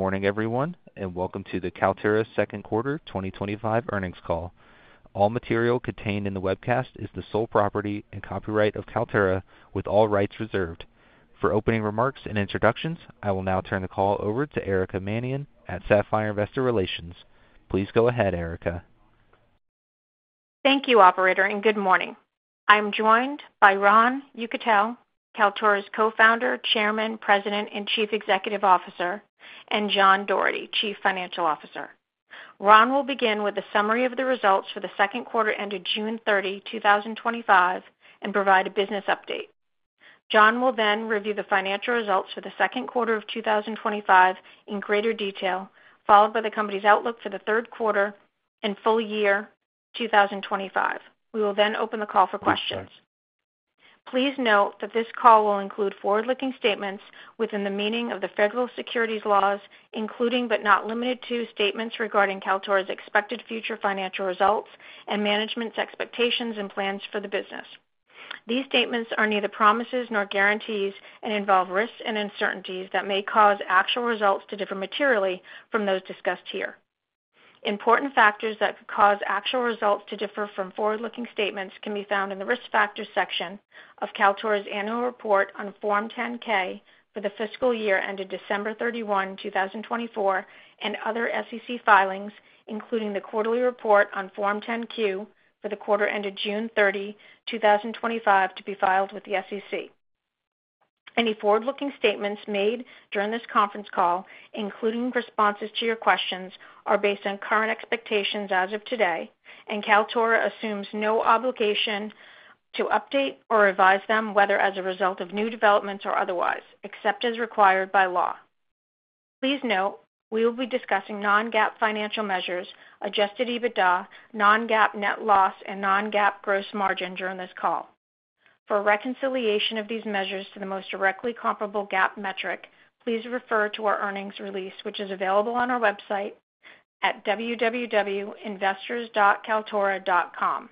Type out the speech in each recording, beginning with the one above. Morning, everyone, and welcome to the Kaltura Second Quarter 2025 Earnings Call. All material contained in the webcast is the sole property and copyright of Kaltura, with all rights reserved. For opening remarks and introductions, I will now turn the call over to Erica Mannion at Sapphire Investor Relations. Please go ahead, Erica. Thank you, operator, and good morning. I am joined by Ron Yekutiel, Kaltura's Co-Founder, Chairman, President, and Chief Executive Officer, and John Doherty, Chief Financial Officer. Ron will begin with a summary of the results for the second quarter ended June 30, 2025, and provide a business update. John will then review the financial results for the second quarter of 2025 in greater detail, followed by the company's outlook for the third quarter and full year 2025. We will then open the call for questions. Please note that this call will include forward-looking statements within the meaning of the federal securities laws, including but not limited to statements regarding Kaltura's expected future financial results and management's expectations and plans for the business. These statements are neither promises nor guarantees and involve risks and uncertainties that may cause actual results to differ materially from those discussed here. Important factors that could cause actual results to differ from forward-looking statements can be found in the risk factors section of Kaltura's annual report on Form 10-K for the fiscal year ended December 31, 2024, and other SEC filings, including the quarterly report on Form 10-Q for the quarter ended June 30, 2025, to be filed with the SEC. Any forward-looking statements made during this conference call, including responses to your questions, are based on current expectations as of today, and Kaltura assumes no obligation to update or advise them whether as a result of new developments or otherwise, except as required by law. Please note, we will be discussing non-GAAP financial measures, adjusted EBITDA, non-GAAP net loss, and non-GAAP gross margin during this call. For reconciliation of these measures to the most directly comparable GAAP metric, please refer to our earnings release, which is available on our website at www.investors.kaltura.com.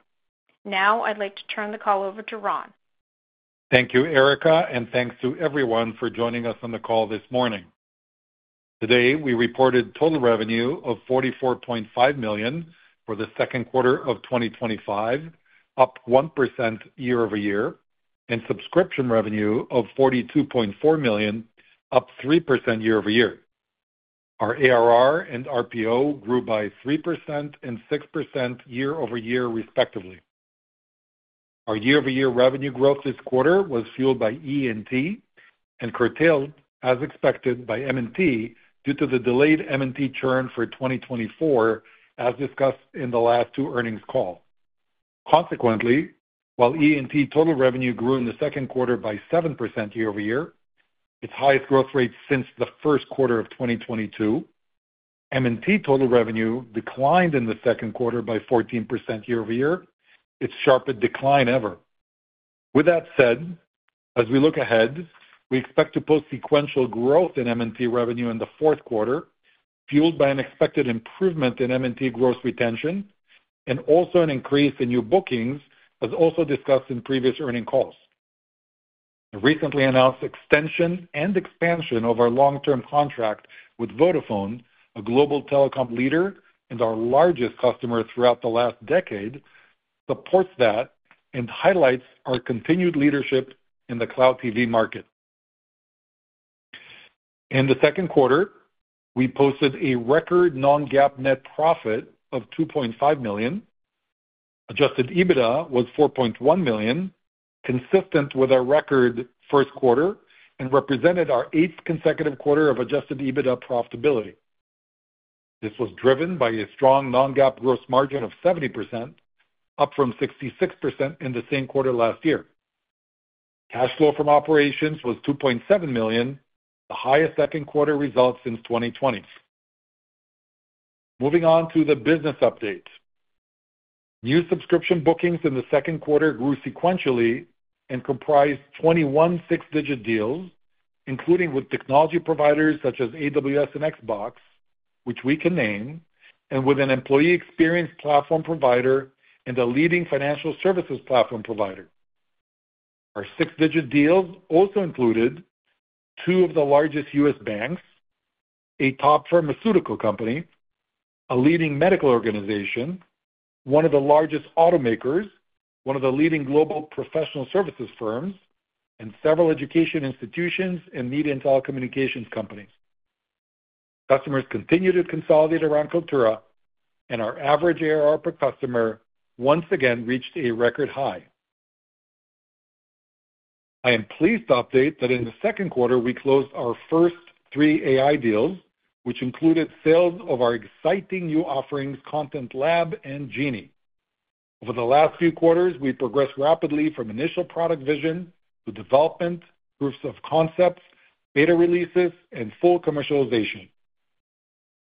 Now, I'd like to turn the call over to Ron. Thank you, Erica, and thanks to everyone for joining us on the call this morning. Today, we reported total revenue of $44.5 million for the second quarter of 2025, up 1% year-over-year, and subscription revenue of $42.4 million, up 3% year-over-year. Our ARR and RPO grew by 3% and 6% year-over-year, respectively. Our year-over-year revenue growth this quarter was fueled by E&T and curtailed, as expected, by M&T due to the delayed M&T churn for 2024, as discussed in the last two earnings calls. Consequently, while E&T total revenue grew in the second quarter by 7% year-over-year, its highest growth rate since the first quarter of 2022, M&T total revenue declined in the second quarter by 14% year-over-year, its sharpest decline ever. With that said, as we look ahead, we expect to post sequential growth in M&T revenue in the fourth quarter, fueled by an expected improvement in M&T gross retention and also an increase in new bookings, as also discussed in previous earnings calls. The recently announced extension and expansion of our long-term contract with Vodafone, a global telecom leader and our largest customer throughout the last decade, supports that and highlights our continued leadership in the cloud TV market. In the second quarter, we posted a record non-GAAP net profit of $2.5 million. Adjusted EBITDA was $4.1 million, consistent with our record first quarter and represented our eighth consecutive quarter of adjusted EBITDA profitability. This was driven by a strong non-GAAP gross margin of 70%, up from 66% in the same quarter last year. Cash flow from operations was $2.7 million, the highest second quarter result since 2020. Moving on to the business update. New subscription bookings in the second quarter grew sequentially and comprised 21 six-digit deals, including with technology providers such as AWS and Xbox, which we can name, and with an employee experience platform provider and a leading financial services platform provider. Our six-digit deals also included two of the largest U.S. banks, a top pharmaceutical company, a leading medical organization, one of the largest automakers, one of the leading global professional services firms, and several education institutions and media and telecommunications companies. Customers continue to consolidate around Kaltura, and our average ARR per customer once again reached a record high. I am pleased to update that in the second quarter, we closed our first three AI deals, which included sales of our exciting new offerings, Content Lab and Genie. Over the last few quarters, we progressed rapidly from initial product vision to development, proofs of concept, beta releases, and full commercialization.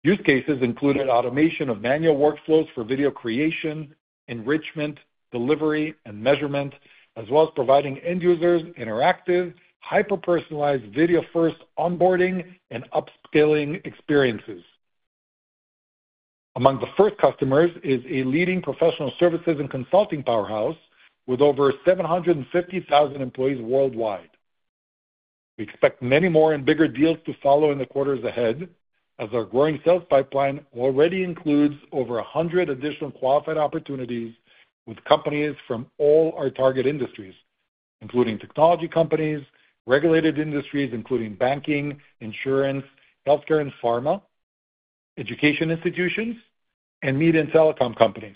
Use cases included automation of manual workflows for video creation, enrichment, delivery, and measurement, as well as providing end users interactive, hyper-personalized video-first onboarding and upscaling experiences. Among the first customers is a leading professional services and consulting powerhouse with over 750,000 employees worldwide. We expect many more and bigger deals to follow in the quarters ahead, as our growing sales pipeline already includes over 100 additional qualified opportunities with companies from all our target industries, including technology companies, regulated industries including banking, insurance, healthcare, and pharma, education institutions, and media and telecom companies.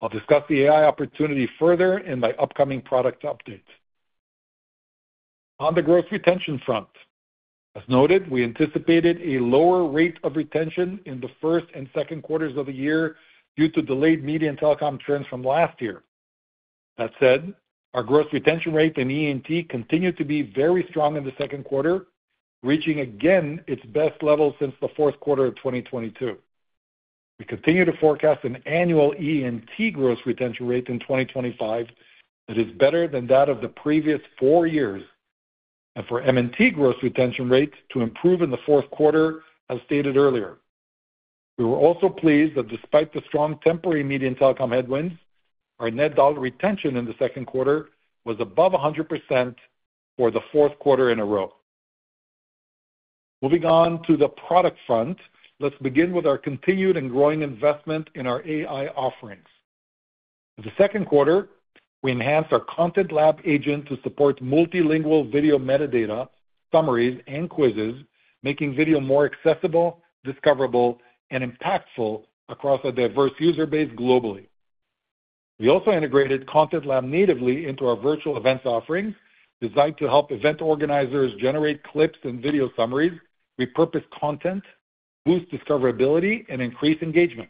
I'll discuss the AI opportunity further in my upcoming product updates. On the gross retention front, as noted, we anticipated a lower rate of retention in the first and second quarters of the year due to delayed Media & telecom churn from last year. That said, our gross retention rate in E&T continued to be very strong in the second quarter, reaching again its best level since the fourth quarter of 2022. We continue to forecast an annual E&T gross retention rate in 2025 that is better than that of the previous four years, and for M&T gross retention rates to improve in the fourth quarter, as stated earlier. We were also pleased that despite the strong temporary Media & telecom headwinds, our net dollar retention in the second quarter was above 100% for the fourth quarter in a row. Moving on to the product front, let's begin with our continued and growing investment in our AI offerings. In the second quarter, we enhanced our Content Lab agent to support multilingual video metadata, summaries, and quizzes, making video more accessible, discoverable, and impactful across a diverse user base globally. We also integrated Content Lab natively into our virtual event offerings, designed to help event organizers generate clips and video summaries, repurpose content, boost discoverability, and increase engagement.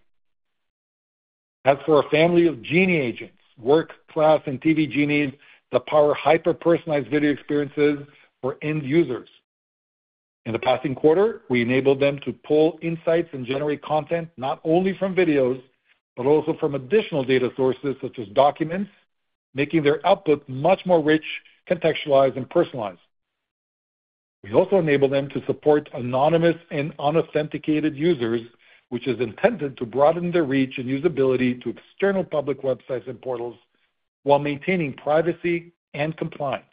As for our family of Genie agents, work, class, and TV Genies that power hyper-personalized video experiences for end users. In the past quarter, we enabled them to pull insights and generate content not only from videos but also from additional data sources such as documents, making their output much more rich, contextualized, and personalized. We also enable them to support anonymous and unauthenticated users, which is intended to broaden their reach and usability to external public websites and portals while maintaining privacy and compliance.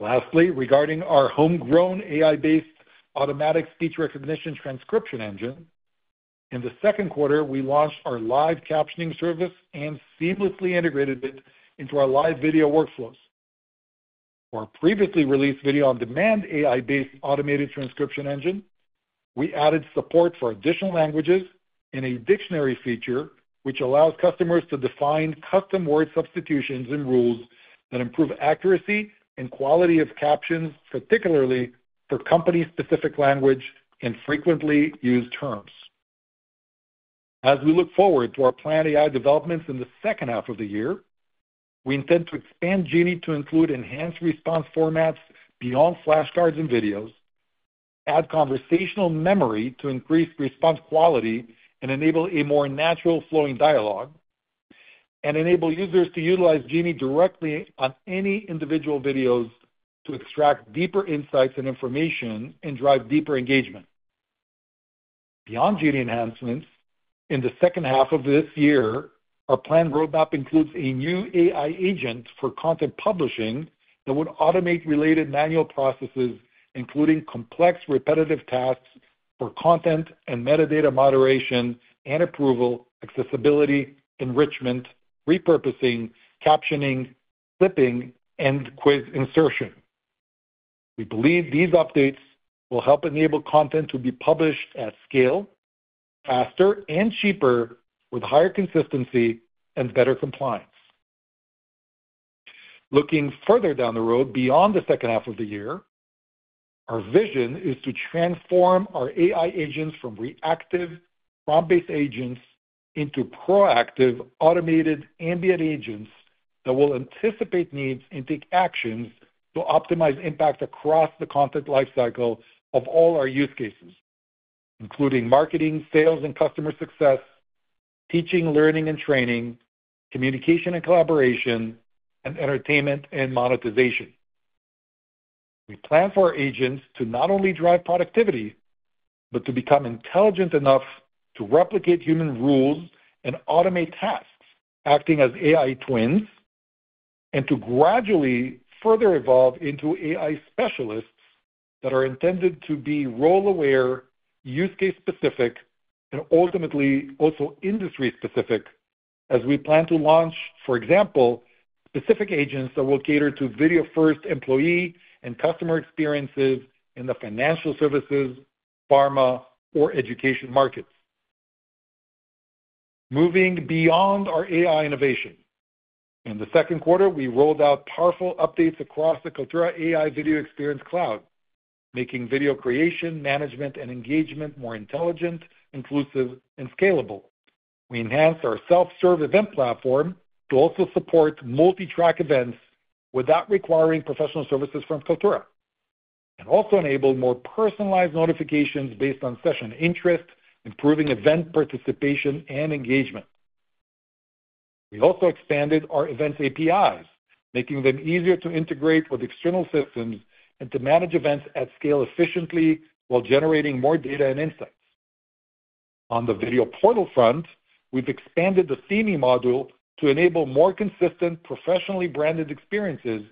Lastly, regarding our homegrown AI-based automatic speech recognition transcription engine, in the second quarter, we launched our live captioning service and seamlessly integrated it into our live video workflows. For our previously released video on demand AI-based automated transcription engine, we added support for additional languages and a dictionary feature, which allows customers to define custom word substitutions and rules that improve accuracy and quality of captions, particularly for company-specific language and frequently used terms. As we look forward to our planned AI developments in the second half of the year, we intend to expand Genie to include enhanced response formats beyond flashcards and videos, add conversational memory to increase response quality and enable a more natural-flowing dialogue, and enable users to utilize Genie directly on any individual videos to extract deeper insights and information and drive deeper engagement. Beyond Genie enhancements, in the second half of this year, our planned roadmap includes a new AI agent for content publishing that would automate related manual processes, including complex repetitive tasks for content and metadata moderation and approval, accessibility, enrichment, repurposing, captioning, clipping, and quiz insertion. We believe these updates will help enable content to be published at scale, faster, and cheaper, with higher consistency and better compliance. Looking further down the road, beyond the second half of the year, our vision is to transform our AI agents from reactive, prompt-based agents into proactive, automated ambient agents that will anticipate needs and take actions to optimize impact across the content lifecycle of all our use cases, including marketing, sales, and customer success, teaching, learning, and training, communication and collaboration, and entertainment and monetization. We plan for our agents to not only drive productivity but to become intelligent enough to replicate human rules and automate tasks, acting as AI twins, and to gradually further evolve into AI specialists that are intended to be role-aware, use-case specific, and ultimately also industry specific, as we plan to launch, for example, specific agents that will cater to video-first employee and customer experiences in the financial services, pharma, or education markets. Moving beyond our AI innovation, in the second quarter, we rolled out powerful updates across the Kaltura AI video experience cloud, making video creation, management, and engagement more intelligent, inclusive, and scalable. We enhanced our self-serve event platform to also support multi-track events without requiring professional services from Kaltura, and also enabled more personalized notifications based on session interest, improving event participation and engagement. We also expanded our event APIs, making them easier to integrate with external systems and to manage events at scale efficiently while generating more data and insights. On the video portal front, we've expanded the theme module to enable more consistent, professionally branded experiences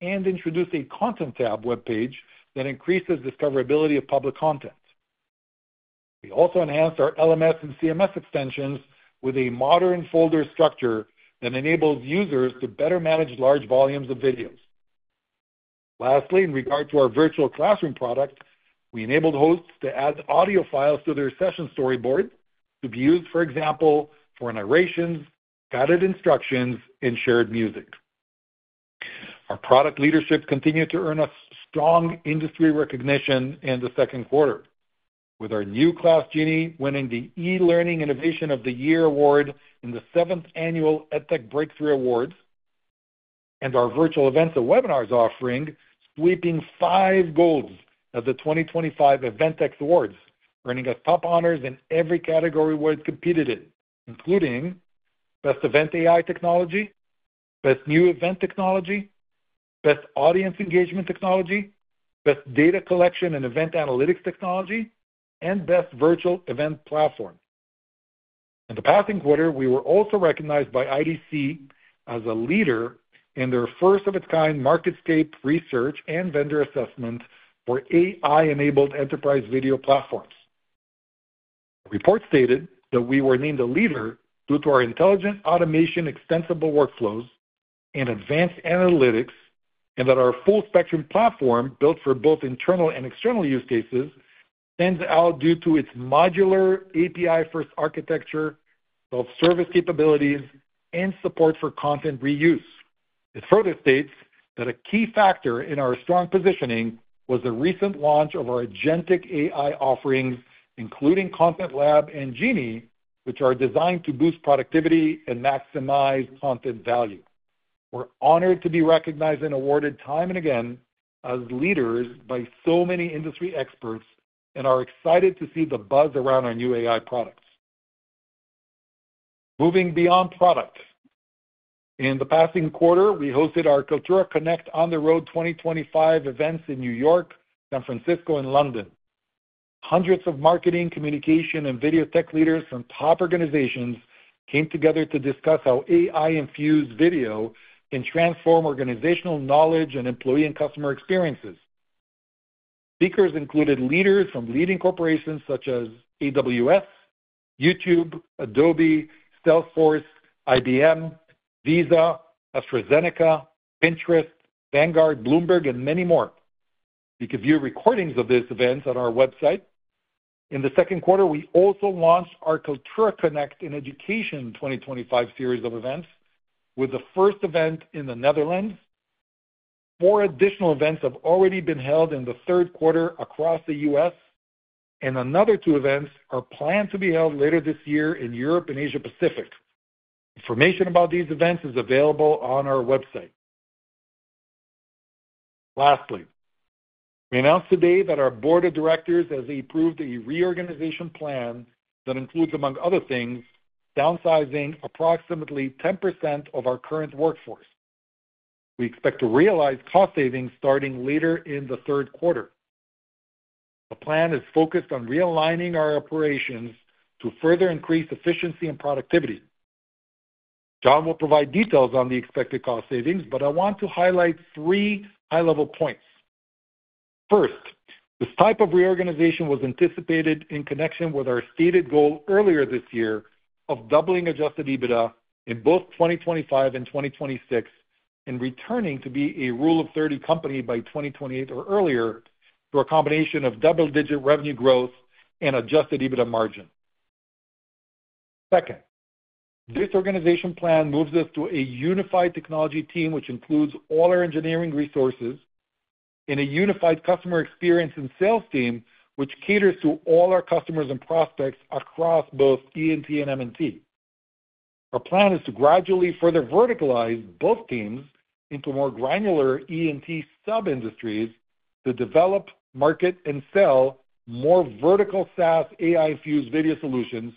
and introduce a content tab web page that increases discoverability of public content. We also enhanced our LMS and CMS extensions with a modern folder structure that enables users to better manage large volumes of videos. Lastly, in regard to our virtual classroom product, we enabled hosts to add audio files to their session storyboard to be used, for example, for narrations, guided instructions, and shared music. Our product leadership continued to earn a strong industry recognition in the second quarter, with our new class Genie winning the e-learning innovation of the year award in the seventh annual EdTech Breakthrough Awards, and our virtual events and webinars offering sweeping five golds of the 2025 Eventex Awards, earning us top honors in every category where it competed in, including Best Event AI Technology, Best New Event Technology, Best Audience Engagement Technology, Best Data Collection and Event Analytics Technology, and Best Virtual Event Platform. In the passing quarter, we were also recognized by IDC as a leader in their first-of-its-kind market scape research and vendor assessment for AI-enabled enterprise video platforms. Reports stated that we were named a leader due to our intelligent automation, extensible workflows, and advanced analytics, and that our full-spectrum platform, built for both internal and external use cases, stands out due to its modular API-first architecture, self-service capabilities, and support for content reuse. This further states that a key factor in our strong positioning was the recent launch of our agentic AI offerings, including Content Lab and Genie, which are designed to boost productivity and maximize content value. We're honored to be recognized and awarded time and again as leaders by so many industry experts and are excited to see the buzz around our new AI products. Moving beyond product, in the past quarter, we hosted our Kaltura Connect On the Road 2025 events in New York, San Francisco, and London. Hundreds of marketing, communication, and video tech leaders from top organizations came together to discuss how AI-infused video can transform organizational knowledge and employee and customer experiences. Speakers included leaders from leading corporations such as AWS, YouTube, Adobe, Salesforce, IBM, Visa, AstraZeneca, Pinterest, Vanguard, Bloomberg, and many more. You can view recordings of these events on our website. In the second quarter, we also launched our Kaltura Connect in Education 2025 series of events, with the first event in the Netherlands. Four additional events have already been held in the third quarter across the U.S., and another two events are planned to be held later this year in Europe and Asia Pacific. Information about these events is available on our website. Lastly, we announced today that our board of directors has approved a reorganization plan that includes, among other things, downsizing approximately 10% of our current workforce. We expect to realize cost savings starting later in the third quarter. The plan is focused on realigning our operations to further increase efficiency and productivity. John will provide details on the expected cost savings, but I want to highlight three high-level points. First, this type of reorganization was anticipated in connection with our stated goal earlier this year of doubling adjusted EBITDA in both 2025 and 2026, and returning to be a rule of 30 company by 2028 or earlier to a combination of double-digit revenue growth and adjusted EBITDA margin. Second, this organization plan moves us to a unified technology team, which includes all our engineering resources, and a unified customer experience and sales team, which caters to all our customers and prospects across both E&T and M&T. Our plan is to gradually further verticalize both teams into more granular E&T sub-industries to develop, market, and sell more vertical SaaS AI-infused video solutions,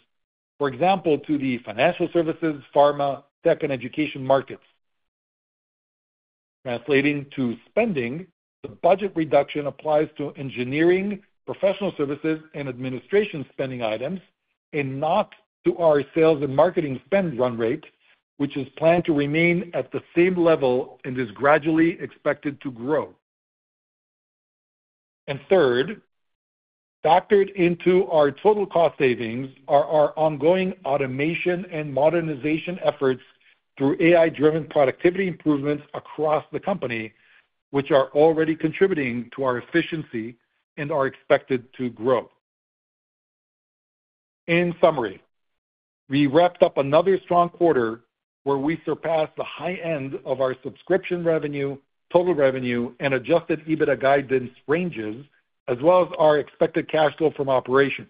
for example, to the financial services, pharma, tech, and education markets. Translating to spending, the budget reduction applies to engineering, professional services, and administration spending items, not to our sales and marketing spend run rate, which is planned to remain at the same level and is gradually expected to grow. Third, factored into our total cost savings are our ongoing automation and modernization efforts through AI-driven productivity improvements across the company, which are already contributing to our efficiency and are expected to grow. In summary, we wrapped up another strong quarter where we surpassed the high end of our subscription revenue, total revenue, and adjusted EBITDA guidance ranges, as well as our expected cash flow from operations.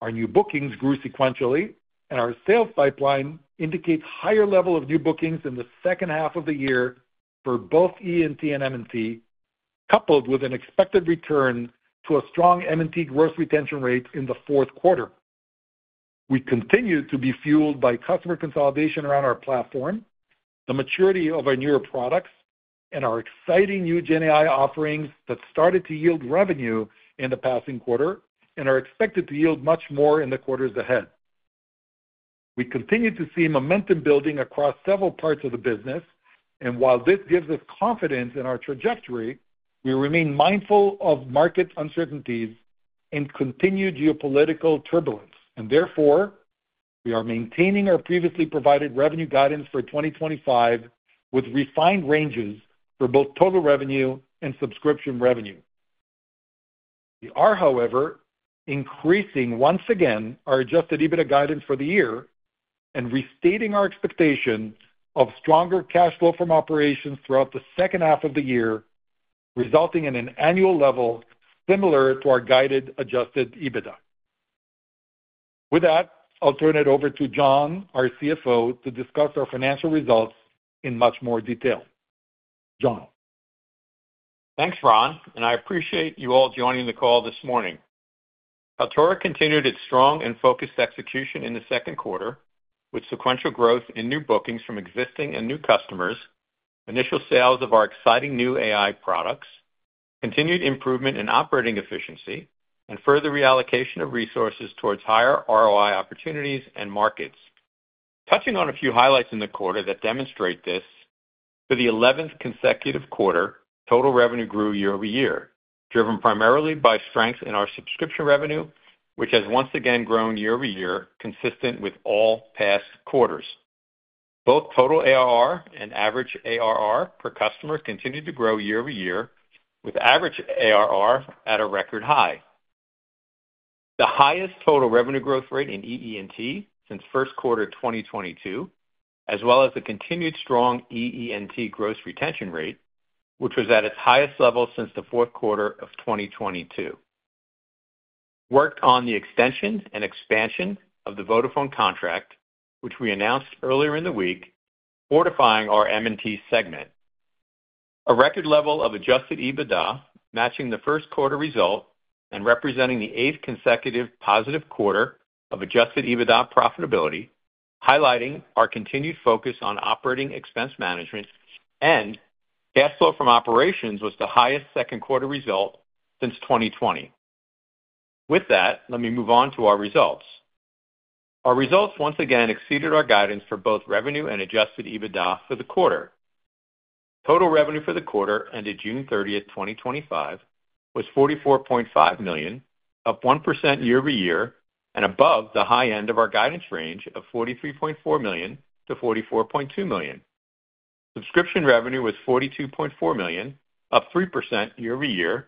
Our new bookings grew sequentially, and our sales pipeline indicates a higher level of new bookings in the second half of the year for both E&T and M&T, coupled with an expected return to a strong M&T gross retention rate in the fourth quarter. We continue to be fueled by customer consolidation around our platform, the maturity of our newer products, and our exciting new Gen AI offerings that started to yield revenue in the passing quarter and are expected to yield much more in the quarters ahead. We continue to see momentum building across several parts of the business, and while this gives us confidence in our trajectory, we remain mindful of market uncertainties and continued geopolitical turbulence, and therefore, we are maintaining our previously provided revenue guidance for 2025 with refined ranges for both total revenue and subscription revenue. We are, however, increasing once again our adjusted EBITDA guidance for the year and restating our expectation of stronger cash flow from operations throughout the second half of the year, resulting in an annual level similar to our guided adjusted EBITDA. With that, I'll turn it over to John, our CFO, to discuss our financial results in much more detail. John. Thanks, Ron, and I appreciate you all joining the call this morning. Kaltura continued its strong and focused execution in the second quarter, with sequential growth in new bookings from existing and new customers, initial sales of our exciting new AI products, continued improvement in operating efficiency, and further reallocation of resources towards higher ROI opportunities and markets. Touching on a few highlights in the quarter that demonstrate this, for the 11th consecutive quarter, total revenue grew year-over-year, driven primarily by strength in our subscription revenue, which has once again grown year-over-year, consistent with all past quarters. Both total ARR and average ARR per customer continue to grow year-over-year, with average ARR at a record high. The highest total revenue growth rate in [EE&T] since first quarter 2022, as well as the continued strong [EE&T] gross retention rate, which was at its highest level since the fourth quarter of 2022. Worked on the extension and expansion of the Vodafone contract, which we announced earlier in the week, fortifying our M&T segment. A record level of adjusted EBITDA matching the first quarter result and representing the eighth consecutive positive quarter of adjusted EBITDA profitability, highlighting our continued focus on operating expense management, and cash flow from operations was the highest second quarter result since 2020. With that, let me move on to our results. Our results once again exceeded our guidance for both revenue and adjusted EBITDA for the quarter. Total revenue for the quarter ended June 30, 2025, was $44.5 million, up 1% year-over-year, and above the high end of our guidance range of $43.4 million to $44.2 million. Subscription revenue was $42.4 million, up 3% year-over-year.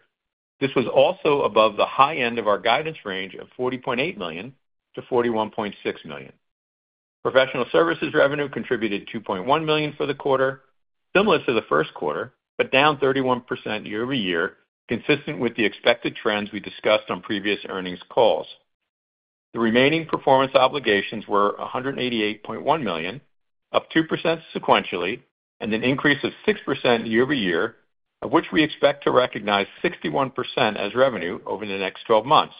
This was also above the high end of our guidance range of $40.8 million-$41.6 million. Professional services revenue contributed $2.1 million for the quarter, similar to the first quarter, but down 31% year-over-year, consistent with the expected trends we discussed on previous earnings calls. The remaining performance obligations were $188.1 million, up 2% sequentially, and an increase of 6% year-over-year, of which we expect to recognize 61% as revenue over the next 12 months.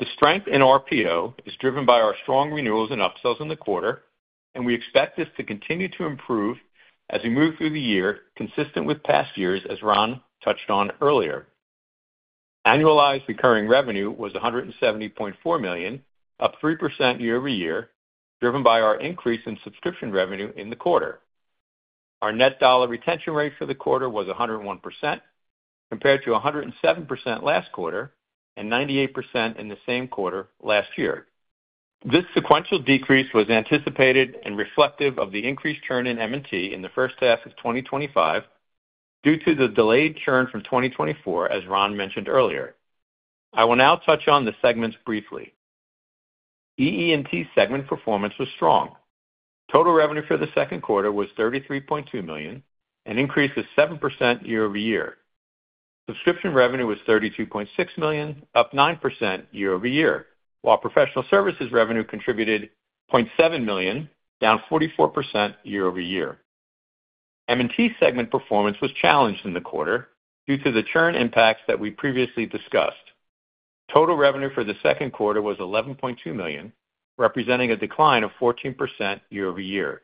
The strength in RPO is driven by our strong renewals and upsells in the quarter, and we expect this to continue to improve as we move through the year, consistent with past years, as Ron touched on earlier. Annual recurring revenue was $170.4 million, up 3% year-over-year, driven by our increase in subscription revenue in the quarter. Our net dollar retention rate for the quarter was 101%, compared to 107% last quarter and 98% in the same quarter last year. This sequential decrease was anticipated and reflective of the increased churn in M&T in the first half of 2025 due to the delayed churn from 2024, as Ron mentioned earlier. I will now touch on the segments briefly. [EE&T] segment performance was strong. Total revenue for the second quarter was $33.2 million, an increase of 7% year-over-year. Subscription revenue was $32.6 million, up 9% year-over-year, while professional services revenue contributed $0.7 million, down 44% year-over-year. M&T segment performance was challenged in the quarter due to the churn impacts that we previously discussed. Total revenue for the second quarter was $11.2 million, representing a decline of 14% year-over-year.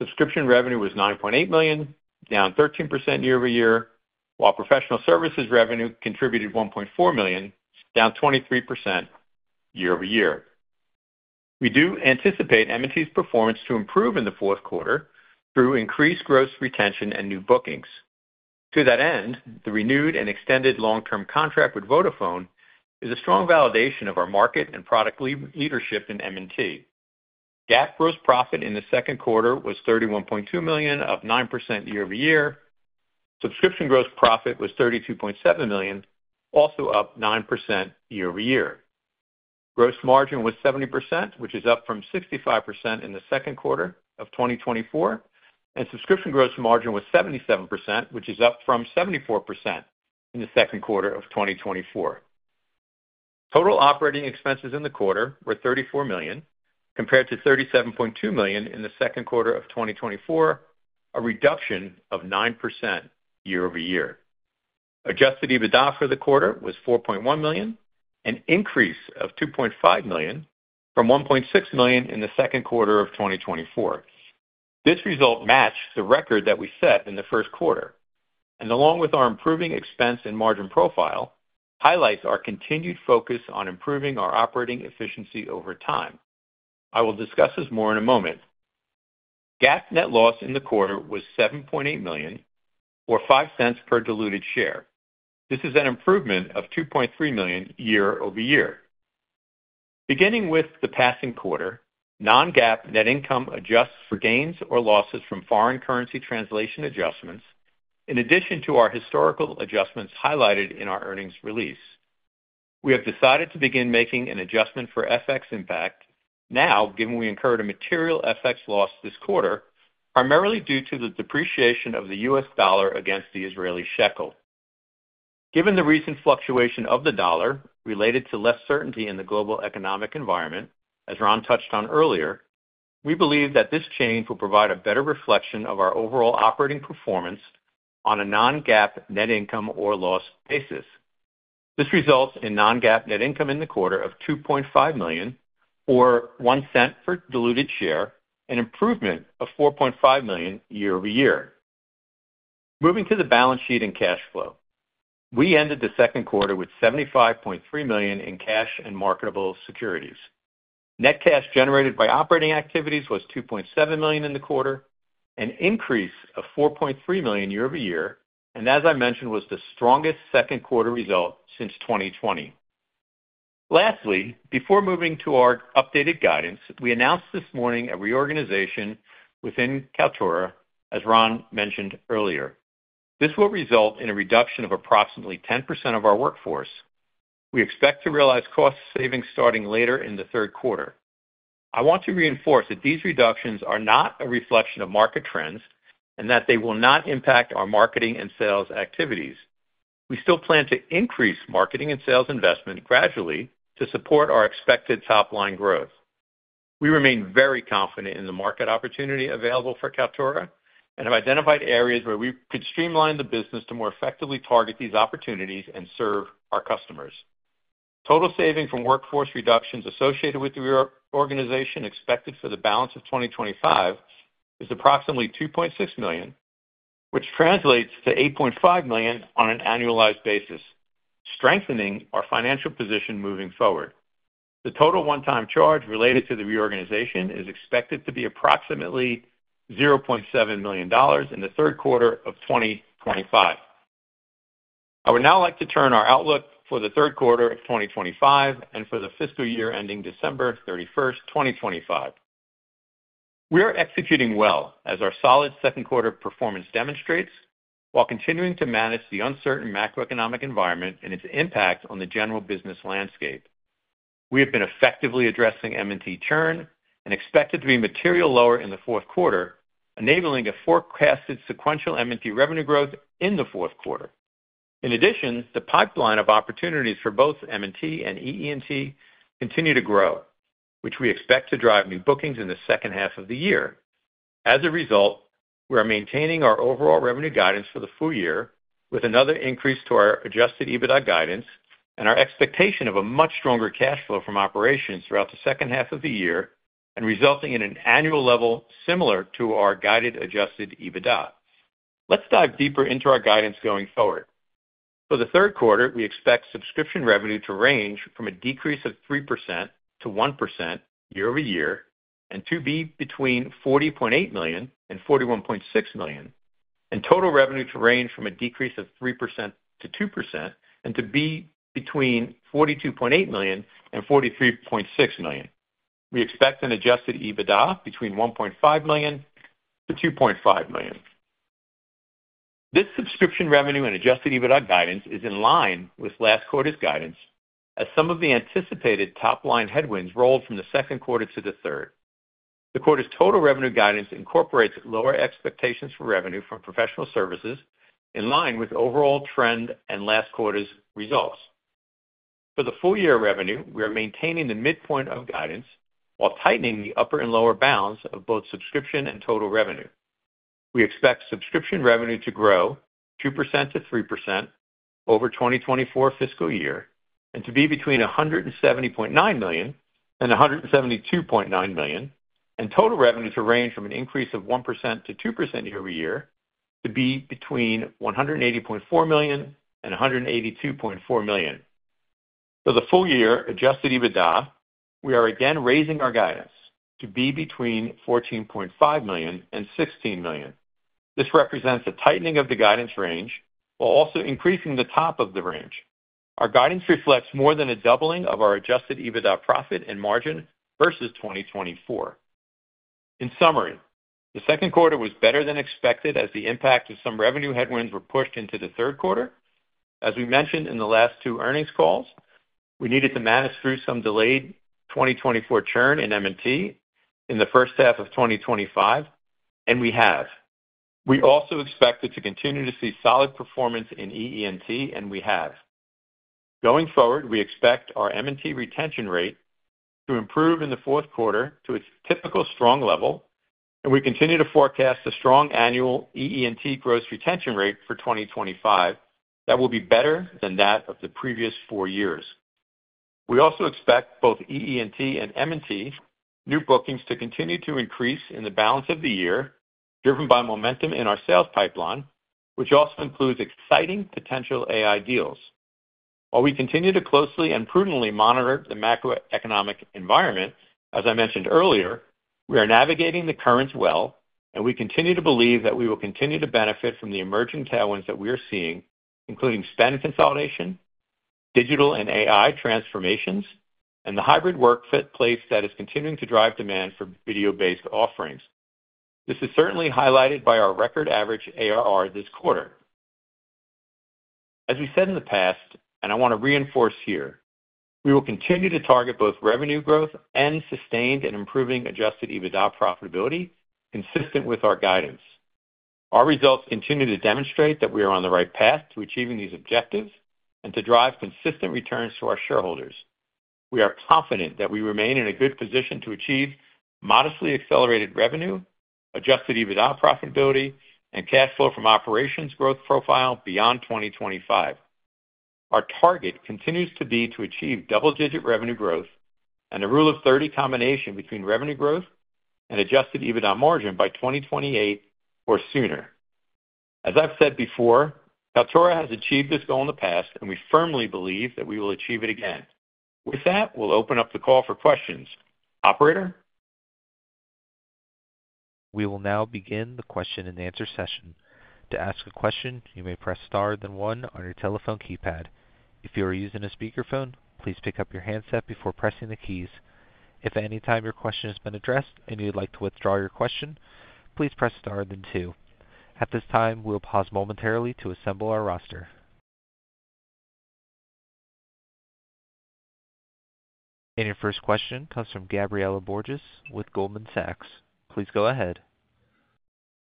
Subscription revenue was $9.8 million, down 13% year-over-year, while professional services revenue contributed $1.4 million, down 23% year-over-year. We do anticipate M&T's performance to improve in the fourth quarter through increased gross retention and new bookings. To that end, the renewed and extended long-term contract with Vodafone is a strong validation of our market and product leadership in M&T. GAAP gross profit in the second quarter was $31.2 million, up 9% year-over-year. Subscription gross profit was $32.7 million, also up 9% year-over-year. Gross margin was 70%, which is up from 65% in the second quarter of 2024, and subscription gross margin was 77%, which is up from 74% in the second quarter of 2024. Total operating expenses in the quarter were $34 million, compared to $37.2 million in the second quarter of 2024, a reduction of 9% year-over-year. Adjusted EBITDA for the quarter was $4.1 million, an increase of $2.5 million from $1.6 million in the second quarter of 2024. This result matched the record that we set in the first quarter, and along with our improving expense and margin profile, highlights our continued focus on improving our operating efficiency over time. I will discuss this more in a moment. GAAP net loss in the quarter was $7.8 million, or $0.05 per diluted share. This is an improvement of $2.3 million year-over-year. Beginning with the passing quarter, non-GAAP net income adjusts for gains or losses from foreign currency translation adjustments, in addition to our historical adjustments highlighted in our earnings release. We have decided to begin making an adjustment for FX impact, now given we incurred a material FX loss this quarter, primarily due to the depreciation of the U.S. dollar against the Israeli shekel. Given the recent fluctuation of the dollar related to less certainty in the global economic environment, as Ron touched on earlier, we believe that this change will provide a better reflection of our overall operating performance on a non-GAAP net income or loss basis. This results in non-GAAP net income in the quarter of $2.5 million, or $0.01 per diluted share, an improvement of $4.5 million year-over-year. Moving to the balance sheet and cash flow, we ended the second quarter with $75.3 million in cash and marketable securities. Net cash generated by operating activities was $2.7 million in the quarter, an increase of $4.3 million year-over-year, and as I mentioned, was the strongest second quarter result since 2020. Lastly, before moving to our updated guidance, we announced this morning a reorganization within Kaltura, as Ron mentioned earlier. This will result in a reduction of approximately 10% of our workforce. We expect to realize cost savings starting later in the third quarter. I want to reinforce that these reductions are not a reflection of market trends and that they will not impact our marketing and sales activities. We still plan to increase marketing and sales investment gradually to support our expected top-line growth. We remain very confident in the market opportunity available for Kaltura and have identified areas where we could streamline the business to more effectively target these opportunities and serve our customers. Total saving from workforce reductions associated with the reorganization expected for the balance of 2025 is approximately $2.6 million, which translates to $8.5 million on an annualized basis, strengthening our financial position moving forward. The total one-time charge related to the reorganization is expected to be approximately $0.7 million in the third quarter of 2025. I would now like to turn to our outlook for the third quarter of 2025 and for the fiscal year ending December 31st, 2025. We are executing well, as our solid second quarter performance demonstrates, while continuing to manage the uncertain macroeconomic environment and its impact on the general business landscape. We have been effectively addressing M&T churn and expect it to be materially lower in the fourth quarter, enabling a forecasted sequential M&T revenue growth in the fourth quarter. In addition, the pipeline of opportunities for both M&T and [EE&T] continues to grow, which we expect to drive new bookings in the second half of the year. As a result, we are maintaining our overall revenue guidance for the full year, with another increase to our adjusted EBITDA guidance and our expectation of a much stronger cash flow from operations throughout the second half of the year, resulting in an annual level similar to our guided adjusted EBITDA. Let's dive deeper into our guidance going forward. For the third quarter, we expect subscription revenue to range from a decrease of 3%-1% year-over-year, and to be between $40.8 million-$41.6 million, and total revenue to range from a decrease of 3%-2%, and to be between $42.8 million-$43.6 million. We expect an adjusted EBITDA between $1.5 million to $2.5 million. This subscription revenue and adjusted EBITDA guidance is in line with last quarter's guidance, as some of the anticipated top-line headwinds rolled from the second quarter to the third. The quarter's total revenue guidance incorporates lower expectations for revenue from professional services, in line with overall trend and last quarter's results. For the full year revenue, we are maintaining the midpoint of guidance while tightening the upper and lower bounds of both subscription and total revenue. We expect subscription revenue to grow 2%-3% over 2024 fiscal year and to be between $170.9 million-$172.9 million, and total revenue to range from an increase of 1%-2% year-over-year to be between $180.4 million-$182.4 million. For the full year adjusted EBITDA, we are again raising our guidance to be between $14.5 million-$16 million. This represents a tightening of the guidance range while also increasing the top of the range. Our guidance reflects more than a doubling of our adjusted EBITDA profit and margin versus 2024. In summary, the second quarter was better than expected as the impact of some revenue headwinds were pushed into the third quarter. As we mentioned in the last two earnings calls, we needed to manage through some delayed 2024 churn in M&T in the first half of 2025, and we have. We also expect to continue to see solid performance in EE&T, and we have. Going forward, we expect our M&T retention rate to improve in the fourth quarter to its typical strong level, and we continue to forecast a strong annual EE&T gross retention rate for 2025 that will be better than that of the previous four years. We also expect both EE&T and M&T new bookings to continue to increase in the balance of the year, driven by momentum in our sales pipeline, which also includes exciting potential AI deals. While we continue to closely and prudently monitor the macroeconomic environment, as I mentioned earlier, we are navigating the currents well, and we continue to believe that we will continue to benefit from the emerging tailwinds that we are seeing, including spend consolidation, digital and AI transformations, and the hybrid workplace that is continuing to drive demand for video-based offerings. This is certainly highlighted by our record average ARR this quarter. As we said in the past, and I want to reinforce here, we will continue to target both revenue growth and sustained and improving adjusted EBITDA profitability, consistent with our guidance. Our results continue to demonstrate that we are on the right path to achieving these objectives and to drive consistent returns to our shareholders. We are confident that we remain in a good position to achieve modestly accelerated revenue, adjusted EBITDA profitability, and cash flow from operations growth profile beyond 2025. Our target continues to be to achieve double-digit revenue growth and a rule of 30 combination between revenue growth and adjusted EBITDA margin by 2028 or sooner. As I've said before, Kaltura has achieved this goal in the past, and we firmly believe that we will achieve it again. With that, we'll open up the call for questions. Operator? We will now begin the question-and-answer session. To ask a question, you may press star then one on your telephone keypad. If you are using a speakerphone, please pick up your handset before pressing the keys. If at any time your question has been addressed and you would like to withdraw your question, please press star then two. At this time, we'll pause momentarily to assemble our roster. Your first question comes from Gabriela Borges with Goldman Sachs. Please go ahead.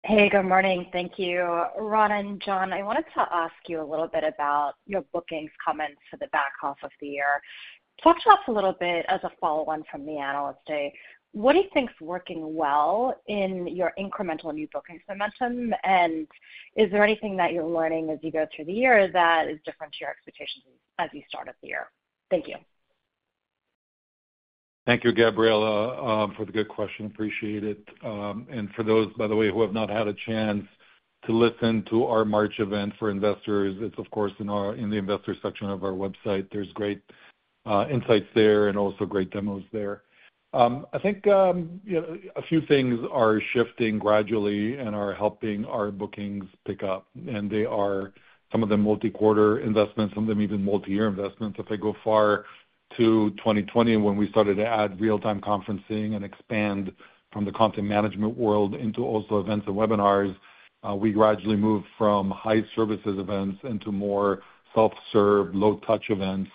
Hey, good morning. Thank you. Ron and John, I wanted to ask you a little bit about your bookings comments for the back half of the year. Talk to us a little bit as a follow-on from the analyst day. What do you think is working well in your incremental new bookings momentum, and is there anything that you're learning as you go through the year that is different to your expectations as you started the year? Thank you. Thank you, Gabriela, for the good question. Appreciate it. For those, by the way, who have not had a chance to listen to our March event for investors, it's, of course, in the investor section of our website. There are great insights there and also great demos there. I think a few things are shifting gradually and are helping our bookings pick up, and they are some of the multi-quarter investments, some of them even multi-year investments. If I go far to 2020, when we started to add real-time conferencing and expand from the content management world into also events and webinars, we gradually moved from high services events into more self-serve, low-touch events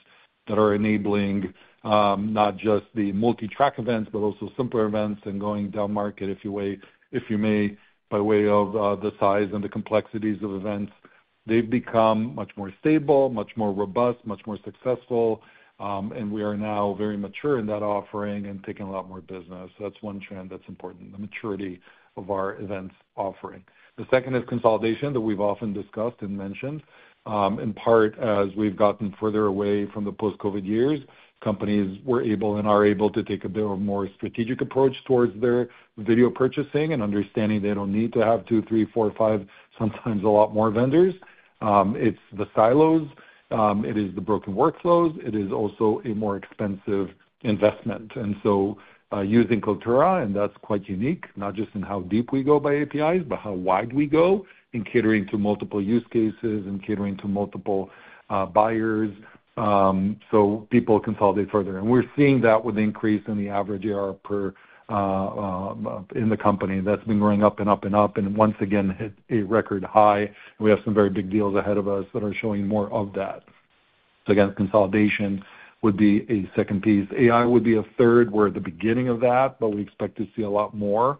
that are enabling not just the multi-track events, but also simpler events and going down market, if you may, by way of the size and the complexities of events. They've become much more stable, much more robust, much more successful, and we are now very mature in that offering and taking a lot more business. That's one trend that's important, the maturity of our events offering. The second is consolidation that we've often discussed and mentioned, in part as we've gotten further away from the post-COVID years. Companies were able and are able to take a bit of a more strategic approach towards their video purchasing and understanding they don't need to have two, three, four, five, sometimes a lot more vendors. It's the silos. It is the broken workflows. It is also a more expensive investment. Using Kaltura, and that's quite unique, not just in how deep we go by APIs, but how wide we go in catering to multiple use cases and catering to multiple buyers so people consolidate further. We're seeing that with the increase in the average ARR per in the company that's been growing up and up and up and once again hit a record high. We have some very big deals ahead of us that are showing more of that. Consolidation would be a second piece. AI would be a third. We're at the beginning of that, but we expect to see a lot more.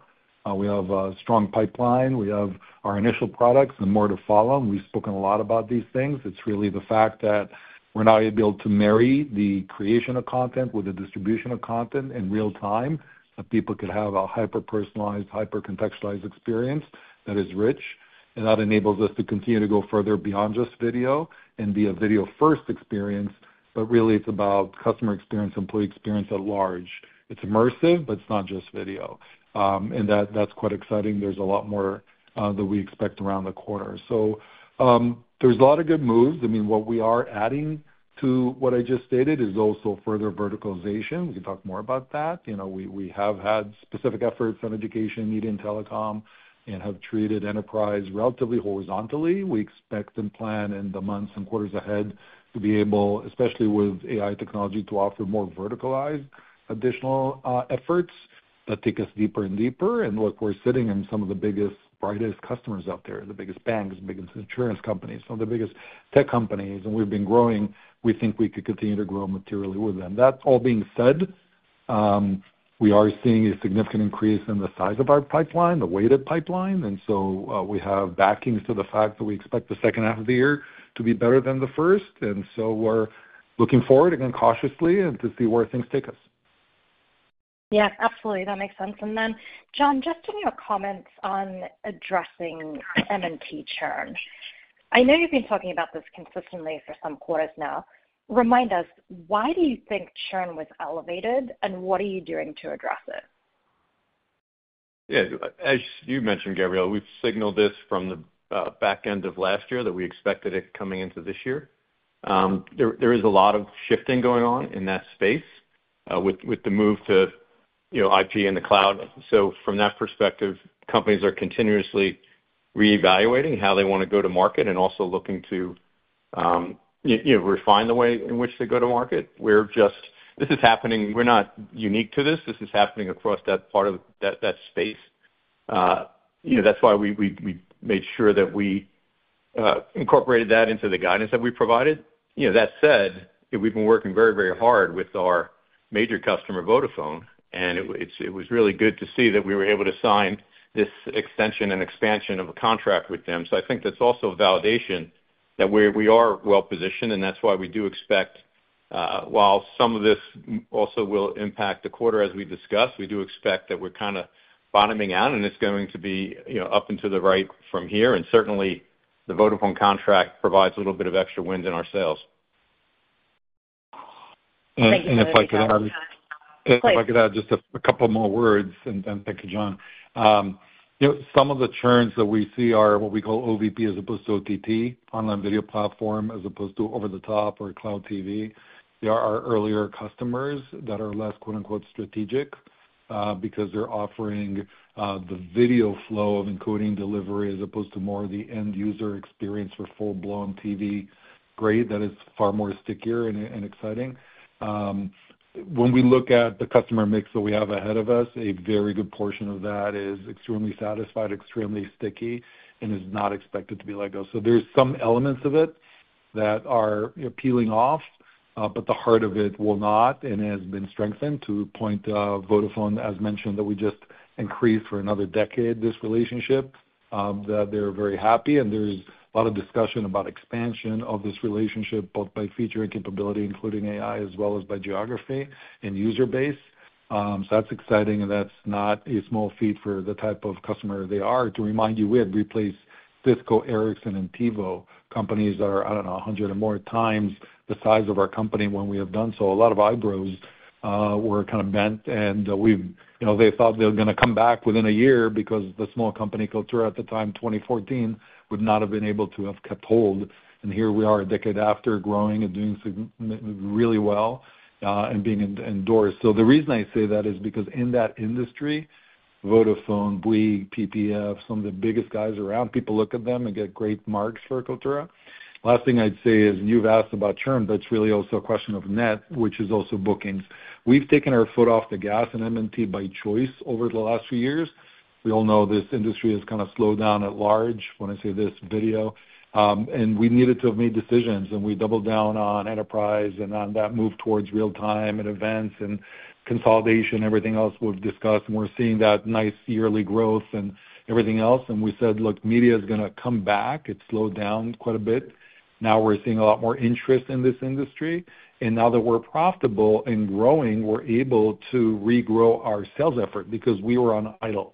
We have a strong pipeline. We have our initial products and more to follow. We've spoken a lot about these things. It's really the fact that we're now able to marry the creation of content with the distribution of content in real time, that people could have a hyper-personalized, hyper-contextualized experience that is rich. That enables us to continue to go further beyond just video and be a video-first experience, but really it's about customer experience, employee experience at large. It's immersive, but it's not just video. That's quite exciting. There's a lot more that we expect around the quarter. There's a lot of good moves. What we are adding to what I just stated is also further verticalization. We can talk more about that. We have had specific efforts on education, media, and telecom and have treated enterprise relatively horizontally. We expect and plan in the months and quarters ahead to be able, especially with AI technology, to offer more verticalized additional efforts that take us deeper and deeper. Look, we're sitting in some of the biggest, brightest customers out there, the biggest banks, the biggest insurance companies, some of the biggest tech companies, and we've been growing. We think we could continue to grow materially with them. That all being said, we are seeing a significant increase in the size of our pipeline, the weighted pipeline. We have backings to the fact that we expect the second half of the year to be better than the first. We're looking forward, again, cautiously and to see where things take us. Absolutely. That makes sense. John, just in your comments on addressing M&T churn, I know you've been talking about this consistently for some quarters now. Remind us, why do you think churn was elevated and what are you doing to address it? Yeah, as you mentioned, Gabriela, we've signaled this from the back end of last year that we expected it coming into this year. There is a lot of shifting going on in that space with the move to, you know, IP in the cloud. From that perspective, companies are continuously reevaluating how they want to go to market and also looking to, you know, refine the way in which they go to market. This is happening. We're not unique to this. This is happening across that part of that space. That's why we made sure that we incorporated that into the guidance that we provided. That said, we've been working very, very hard with our major customer, Vodafone, and it was really good to see that we were able to sign this extension and expansion of a contract with them. I think that's also a validation that we are well positioned, and that's why we do expect, while some of this also will impact the quarter as we discussed, we do expect that we're kind of bottoming out and it's going to be, you know, up and to the right from here. Certainly, the Vodafone contract provides a little bit of extra wind in our sails. If I could add just a couple more words, thank you, John. Some of the churns that we see are what we call OVP as opposed to OTT, online video platform as opposed to over-the-top or CloudTV. There are earlier customers that are less, quote-unquote, "strategic" because they're offering the video flow of encoding delivery as opposed to more of the end-user experience for full-blown TV grade that is far more stickier and exciting. When we look at the customer mix that we have ahead of us, a very good portion of that is extremely satisfied, extremely sticky, and is not expected to be let go. There's some elements of it that are, you know, peeling off, but the heart of it will not, and it has been strengthened to the point of Vodafone, as mentioned, that we just increased for another decade this relationship, that they're very happy. There's a lot of discussion about expansion of this relationship, both by feature and capability, including AI, as well as by geography and user base. That's exciting, and that's not a small feat for the type of customer they are. To remind you, we had replaced Cisco, Ericsson, and TiVo, companies that are, I don't know, 100 or more times the size of our company when we have done so. A lot of eyebrows were kind of bent and, you know, they thought they were going to come back within a year because the small company culture at the time, 2014, would not have been able to have kept hold. Here we are a decade after, growing and doing really well and being endorsed. The reason I say that is because in that industry, Vodafone, Bouygues, PPF, some of the biggest guys around, people look at them and get great marks for Kaltura. Last thing I'd say is you've asked about churn. That's really also a question of net, which is also bookings. We've taken our foot off the gas in M&T by choice over the last few years. We all know this industry has kind of slowed down at large when I say this video, and we needed to have made decisions, and we doubled down on enterprise and on that move towards real-time and events and consolidation and everything else we've discussed. We're seeing that nice yearly growth and everything else. We said, look, media is going to come back. It slowed down quite a bit. Now we're seeing a lot more interest in this industry. Now that we're profitable and growing, we're able to regrow our sales effort because we were on idle.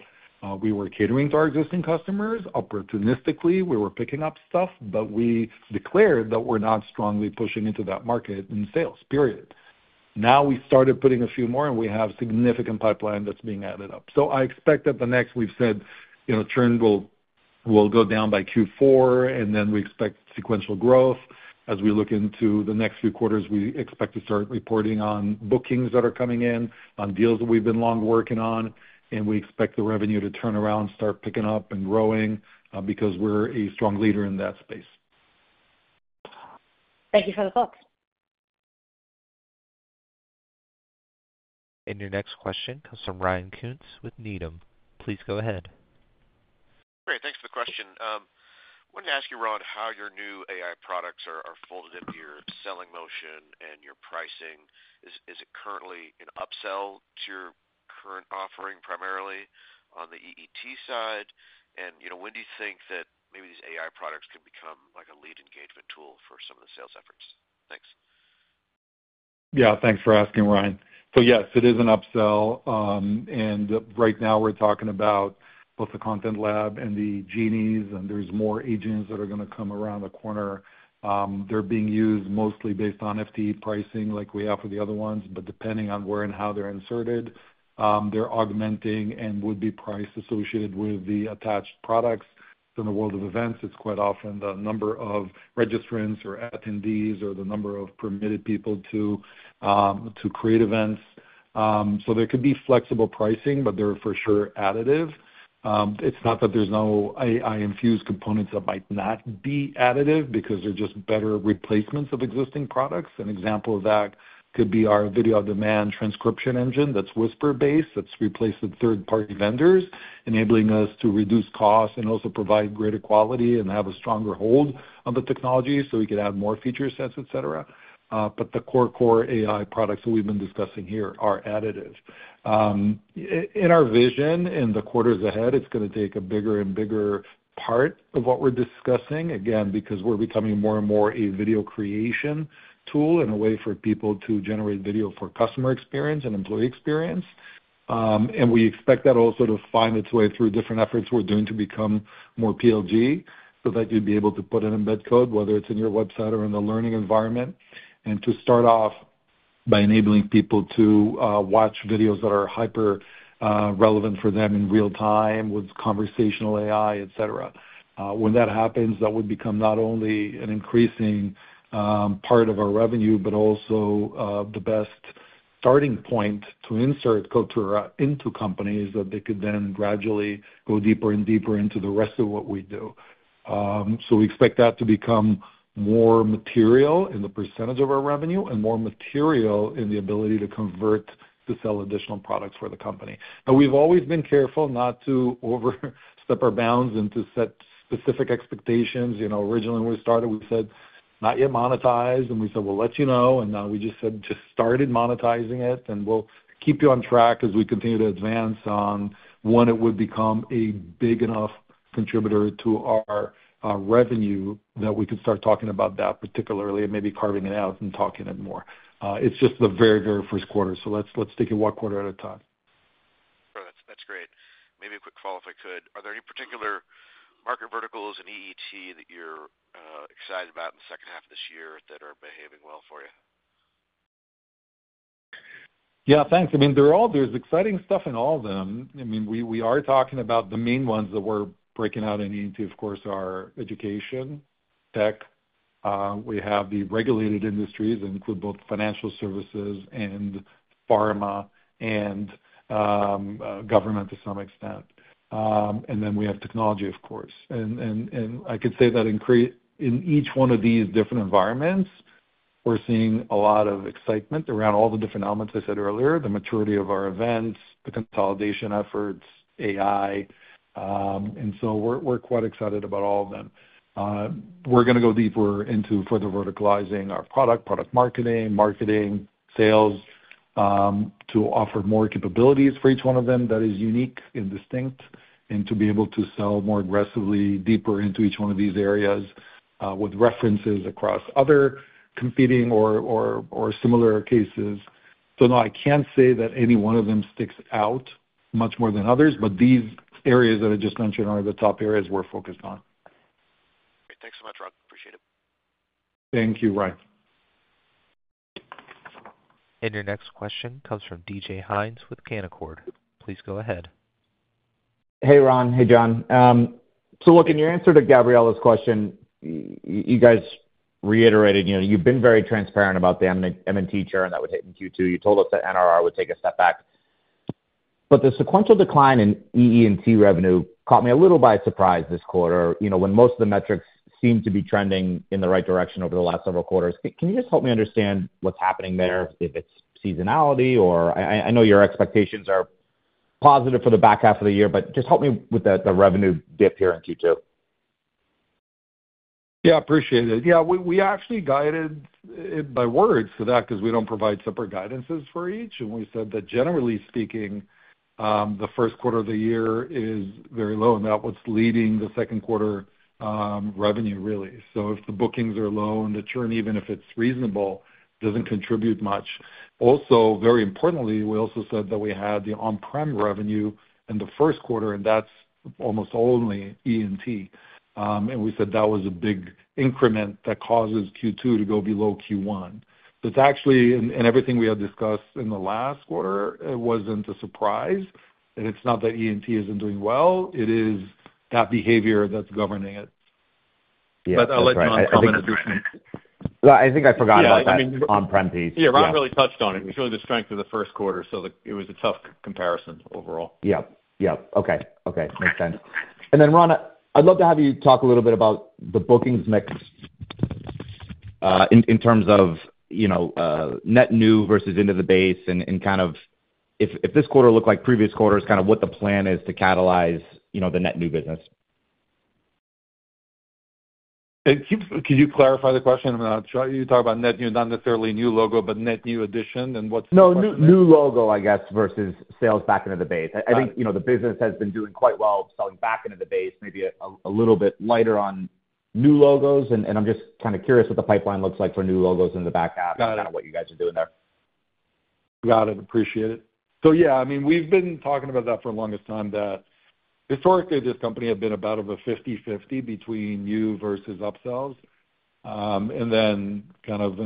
We were catering to our existing customers opportunistically. We were picking up stuff, but we declared that we're not strongly pushing into that market in sales, period. Now we started putting a few more, and we have a significant pipeline that's being added up. I expect that the next, we've said, you know, churn will go down by Q4, and then we expect sequential growth. As we look into the next few quarters, we expect to start reporting on bookings that are coming in, on deals that we've been long working on, and we expect the revenue to turn around and start picking up and growing because we're a strong leader in that space. Thank you for the thought. Your next question comes from Ryan Koontz with Needham. Please go ahead. Great. Thanks for the question. I wanted to ask you, Ron, how your new AI products are folded into your selling motion and your pricing. Is it currently an upsell to your current offering primarily on the [EE&T] side? When do you think that maybe these AI products could become like a lead engagement tool for some of the sales efforts? Thanks. Yeah, thanks for asking, Ryan. Yes, it is an upsell. Right now, we're talking about both the Content Lab and the Genies, and there's more agents that are going to come around the corner. They're being used mostly based on FTE pricing like we have for the other ones, but depending on where and how they're inserted, they're augmenting and would be priced associated with the attached products. In the world of events, it's quite often the number of registrants or attendees or the number of permitted people to create events. There could be flexible pricing, but they're for sure additive. It's not that there's no AI-infused components that might not be additive because they're just better replacements of existing products. An example of that could be our video on demand transcription engine that's whisper-based, that's replaced with third-party vendors, enabling us to reduce costs and also provide greater quality and have a stronger hold of the technology so we could add more feature sets, etc. The core core AI products that we've been discussing here are additive. In our vision in the quarters ahead, it's going to take a bigger and bigger part of what we're discussing, again, because we're becoming more and more a video creation tool and a way for people to generate video for customer experience and employee experience. We expect that also to find its way through different efforts we're doing to become more PLG so that you'd be able to put in embed code, whether it's in your website or in the learning environment, and to start off by enabling people to watch videos that are hyper-relevant for them in real time with conversational AI, etc. When that happens, that would become not only an increasing part of our revenue, but also the best starting point to insert Kaltura into companies that they could then gradually go deeper and deeper into the rest of what we do. We expect that to become more material in the percentage of our revenue and more material in the ability to convert to sell additional products for the company. We've always been careful not to overstep our bounds and to set specific expectations. Originally when we started, we said not yet monetized, and we said, we'll let you know. Now we just said just started monetizing it, and we'll keep you on track as we continue to advance on when it would become a big enough contributor to our revenue that we could start talking about that particularly and maybe carving it out and talking it more. It's just the very, very first quarter, so let's take it one quarter at a time. That's great. Maybe a quick call if I could. Are there any particular market verticals in [EE&T] that you're excited about in the second half of this year that are behaving well for you? Yeah, thanks. I mean, there's exciting stuff in all of them. We are talking about the main ones that we're breaking out in [EE&T], of course, are education, tech. We have the regulated industries that include both financial services and pharma and government to some extent. We have technology, of course. I could say that in each one of these different environments, we're seeing a lot of excitement around all the different elements I said earlier, the maturity of our events, the consolidation efforts, AI. We're quite excited about all of them. We're going to go deeper into further verticalizing our product, product marketing, marketing, sales, to offer more capabilities for each one of them that is unique and distinct, and to be able to sell more aggressively, deeper into each one of these areas with references across other competing or similar cases. No, I can't say that any one of them sticks out much more than others, but these areas that I just mentioned are the top areas we're focused on. Thanks so much, Ron. Appreciate it. Thank you, Ryan. Your next question comes from DJ Hynes with Canaccord. Please go ahead. Hey, Ron. Hey, John. In your answer to Gabriela's question, you guys reiterated, you've been very transparent about the M&T churn that would hit in Q2. You told us that NRR would take a step back. The sequential decline in [EE&T] revenue caught me a little by surprise this quarter, when most of the metrics seemed to be trending in the right direction over the last several quarters. Can you just help me understand what's happening there? If it's seasonality, or I know your expectations are positive for the back half of the year, just help me with the revenue dip here in Q2. Yeah, I appreciate it. We actually guided it by words for that because we don't provide separate guidances for each. We said that generally speaking, the first quarter of the year is very low, and that's what's leading the second quarter revenue, really. If the bookings are low and the churn, even if it's reasonable, doesn't contribute much. Also, very importantly, we also said that we had the on-prem revenue in the first quarter, and that's almost only [EE&T]. We said that was a big increment that causes Q2 to go below Q1. In everything we have discussed in the last quarter, it wasn't a surprise. It's not that [EE&T] isn't doing well. It is that behavior that's governing it. Yeah, I think I forgot about that on-prem piece. Yeah, Ron really touched on it. He showed the strength of the first quarter, so it was a tough comparison overall. Okay. Makes sense. Ron, I'd love to have you talk a little bit about the bookings mix in terms of net new versus into the base, and if this quarter looked like previous quarters, what the plan is to catalyze the net new business. Could you clarify the question? I'm not sure you talk about net new, not necessarily new logo, but net new edition, and what's the. No new logo, I guess, versus sales back into the base. I think the business has been doing quite well, selling back into the base, maybe a little bit lighter on new logos. I'm just kind of curious what the pipeline looks like for new logos in the back half, kind of what you guys are doing there. Got it. Appreciate it. We've been talking about that for the longest time, that historically, this company had been about a 50/50 between new versus upsells. In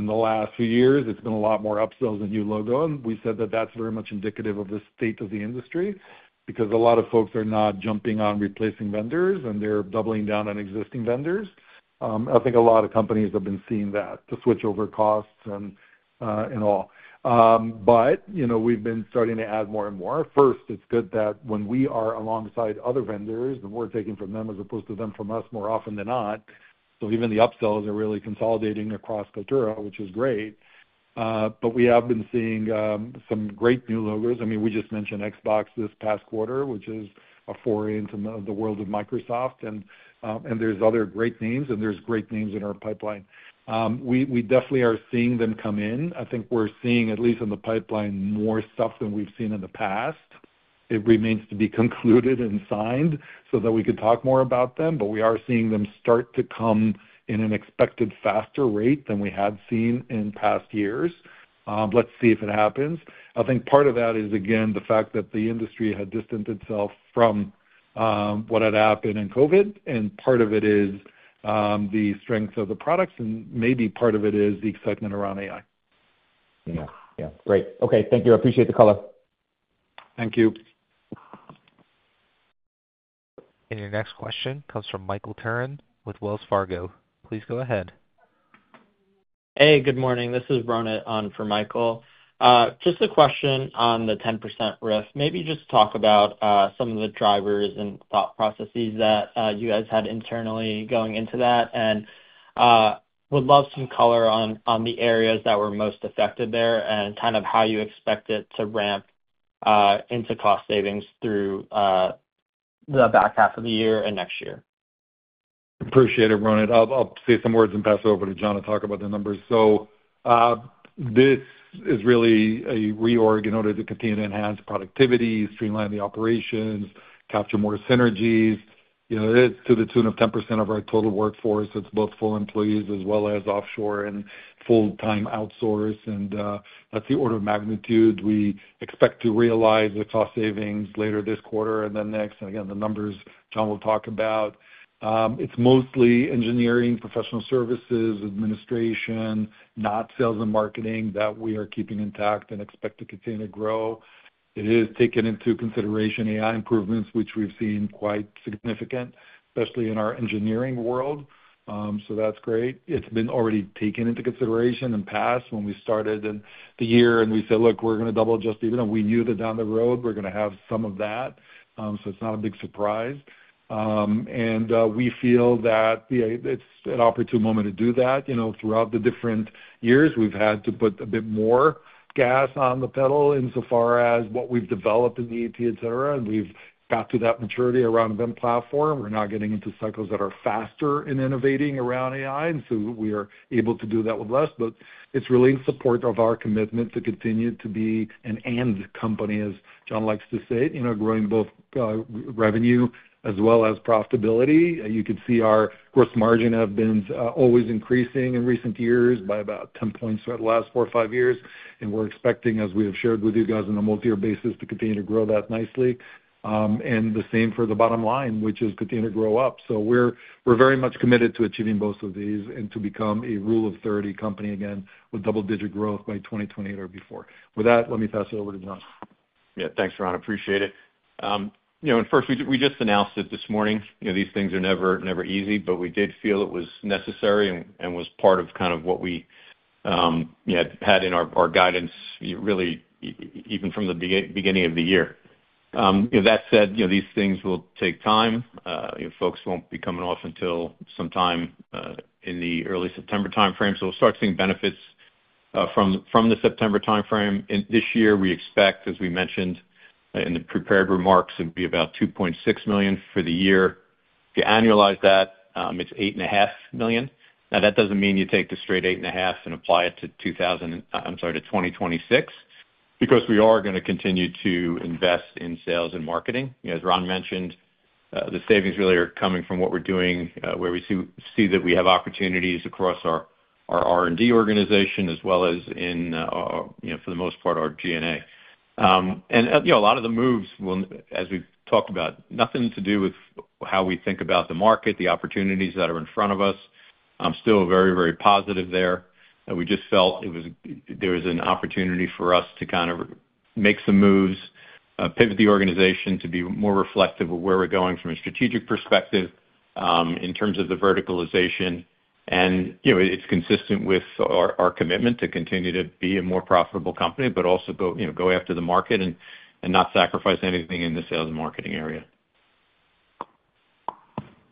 the last few years, it's been a lot more upsells and new logo. We said that that's very much indicative of the state of the industry because a lot of folks are not jumping on replacing vendors, and they're doubling down on existing vendors. I think a lot of companies have been seeing that to switch over costs and all. We've been starting to add more and more. First, it's good that when we are alongside other vendors and we're taking from them as opposed to them from us more often than not. Even the upsells are really consolidating across Kaltura, which is great. We have been seeing some great new logos. We just mentioned Xbox this past quarter, which is a foray into the world of Microsoft. There are other great names, and there are great names in our pipeline. We definitely are seeing them come in. I think we're seeing, at least in the pipeline, more stuff than we've seen in the past. It remains to be concluded and signed so that we could talk more about them. We are seeing them start to come in at an expected faster rate than we had seen in past years. Let's see if it happens. I think part of that is, again, the fact that the industry had distanced itself from what had happened in COVID. Part of it is the strength of the products, and maybe part of it is the excitement around AI. Great. Okay. Thank you. I appreciate the call. Thank you. Your next question comes from Michael Turrin with Wells Fargo. Please go ahead. Hey, good morning. This is Ronit on for Michael. Just a question on the 10% risk. Maybe just talk about some of the drivers and thought processes that you guys had internally going into that, and would love some color on the areas that were most affected there, and kind of how you expect it to ramp into cost savings through the back half of the year and next year. Appreciate it, Ron. I'll say some words and pass it over to John to talk about the numbers. This is really a reorg in order to continue to enhance productivity, streamline the operations, capture more synergies. It's to the tune of 10% of our total workforce. It's both full employees as well as offshore and full-time outsource. That's the order of magnitude. We expect to realize the cost savings later this quarter and then next. The numbers John will talk about. It's mostly engineering, professional services, administration, [net] sales and marketing that we are keeping intact and expect to continue to grow. It is taken into consideration AI improvements, which we've seen quite significant, especially in our engineering world. That's great. It's been already taken into consideration and passed when we started the year, and we said, "Look, we're going to double just even." We knew that down the road, we're going to have some of that. It's not a big surprise. We feel that it's an opportune moment to do that. Throughout the different years, we've had to put a bit more gas on the pedal insofar as what we've developed in [EE&T], etc. We've got to that maturity around event platform. We're now getting into cycles that are faster in innovating around AI. We are able to do that with less. It's really in support of our commitment to continue to be an "and" company, as John likes to say it, growing both revenue as well as profitability. You could see our gross margin have been always increasing in recent years by about 10 points throughout the last 4-5 years. We're expecting, as we have shared with you guys on a multi-year basis, to continue to grow that nicely. The same for the bottom line, which is continuing to grow up. We're very much committed to achieving both of these and to become a rule of 30 company again with double-digit growth by 2028 or before. With that, let me pass it over to John. Yeah, thanks, Ron. Appreciate it. First, we just announced it this morning. These things are never, never easy, but we did feel it was necessary and was part of what we had in our guidance, really even from the beginning of the year. That said, these things will take time. Folks won't be coming off until sometime in the early September timeframe. We'll start seeing benefits from the September timeframe. This year, we expect, as we mentioned in the prepared remarks, it'd be about $2.6 million for the year. If you annualize that, it's $8.5 million. Now, that doesn't mean you take the straight $8.5 million and apply it to 2026, because we are going to continue to invest in sales and marketing. As Ron mentioned, the savings really are coming from what we're doing, where we see that we have opportunities across our R&D organization, as well as in, for the most part, our G&A. A lot of the moves, as we've talked about, have nothing to do with how we think about the market, the opportunities that are in front of us. I'm still very, very positive there. We just felt there was an opportunity for us to make some moves, pivot the organization to be more reflective of where we're going from a strategic perspective in terms of the verticalization. It's consistent with our commitment to continue to be a more profitable company, but also go after the market and not sacrifice anything in the sales and marketing area.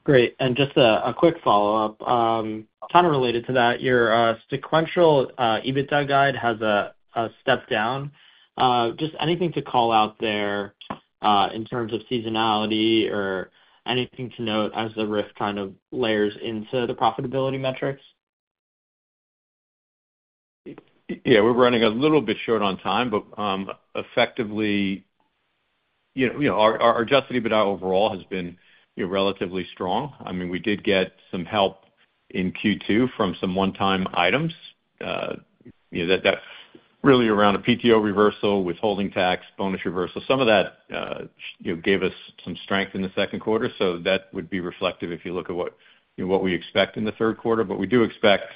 Great. Just a quick follow-up, kind of related to that, your sequential EBITDA guide has a step down. Is there anything to call out there in terms of seasonality or anything to note as the risk kind of layers into the profitability metrics? Yeah, we're running a little bit short on time, but effectively, you know, our adjusted EBITDA overall has been relatively strong. I mean, we did get some help in Q2 from some one-time items, you know, that really were around a PTO reversal, withholding tax, bonus reversal. Some of that, you know, gave us some strength in the second quarter. That would be reflective if you look at what we expect in the third quarter. We do expect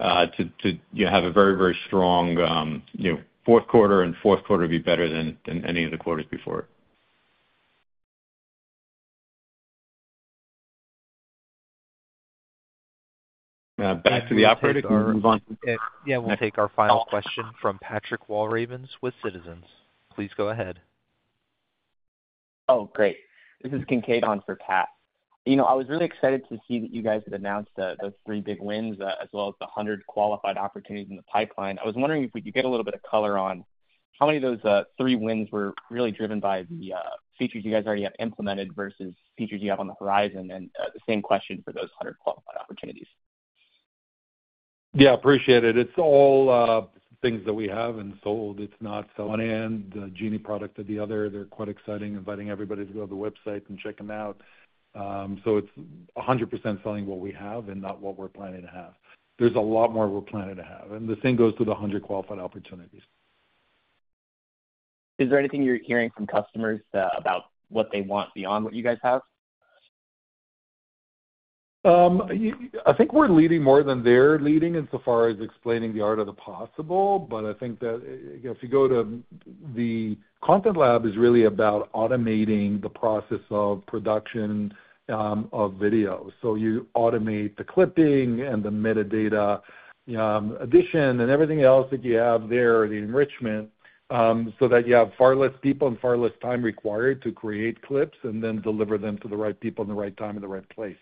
to have a very, very strong, you know, fourth quarter, and the fourth quarter will be better than any of the quarters before. Back to the operator. We'll take our final question from Patrick Walravens with Citizens. Please go ahead. Oh, great. This is Kincaid on for Pat. I was really excited to see that you guys had announced the three big wins as well as the 100 qualified opportunities in the pipeline. I was wondering if we could get a little bit of color on how many of those three wins were really driven by the features you guys already have implemented versus features you have on the horizon. The same question for those 100 qualified opportunities. I appreciate it. It's all things that we have and sold. It's not selling one end, the Genie product or the other. They're quite exciting, inviting everybody to go to the website and check them out. It's 100% selling what we have and not what we're planning to have. There's a lot more we're planning to have. The same goes to the 100 qualified opportunities. Is there anything you're hearing from customers about what they want beyond what you guys have? I think we're leading more than they're leading insofar as explaining the art of the possible. I think that if you go to the Content Lab, it's really about automating the process of production of videos. You automate the clipping and the metadata addition and everything else that you have there, the enrichment, so that you have far less people and far less time required to create clips and then deliver them to the right people at the right time and the right place.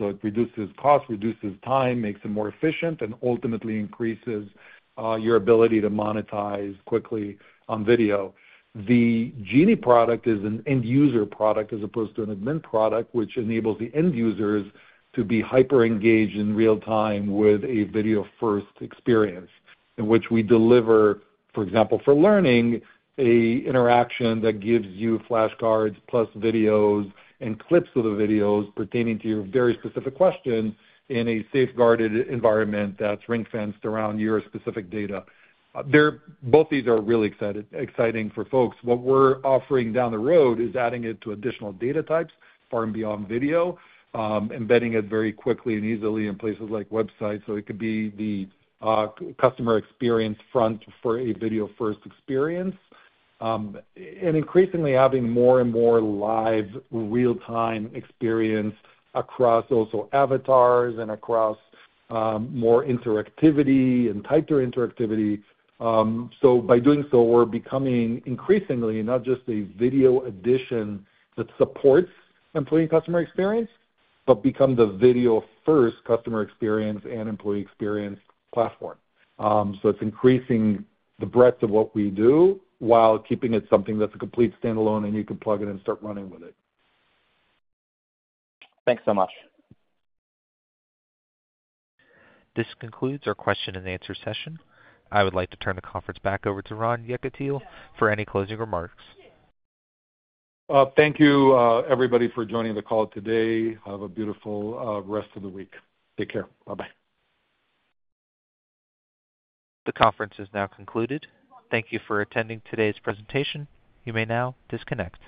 It reduces costs, reduces time, makes it more efficient, and ultimately increases your ability to monetize quickly on video. The Genie product is an end-user product as opposed to an admin product, which enables the end users to be hyper-engaged in real time with a video-first experience in which we deliver, for example, for learning, an interaction that gives you flashcards plus videos and clips of the videos pertaining to your very specific question in a safeguarded environment that's ring-fenced around your specific data. Both of these are really exciting for folks. What we're offering down the road is adding it to additional data types far and beyond video, embedding it very quickly and easily in places like websites. It could be the customer experience front for a video-first experience. Increasingly, having more and more live, real-time experience across also avatars and across more interactivity and tighter interactivity. By doing so, we're becoming increasingly not just a video addition that supports employee customer experience, but becoming the video-first customer experience and employee experience platform. It's increasing the breadth of what we do while keeping it something that's a complete standalone, and you can plug it in and start running with it. Thanks so much. This concludes our question-and-answer session. I would like to turn the conference back over to Ron Yekutiel for any closing remarks. Thank you, everybody, for joining the call today. Have a beautiful rest of the week. Take care. Bye-bye. The conference is now concluded. Thank you for attending today's presentation. You may now disconnect.